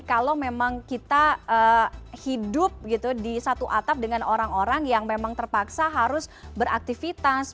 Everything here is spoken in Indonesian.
kalau memang kita hidup di satu atap dengan orang orang yang memang terpaksa harus beraktivitas